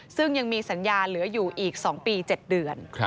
ซึ่งยังมีสัญญาเหลืออยู่อีก๒ปี๗เดือน